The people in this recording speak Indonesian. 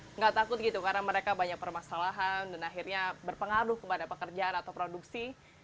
tidak takut gitu karena mereka banyak permasalahan dan akhirnya berpengaruh kepada pekerjaan atau produksi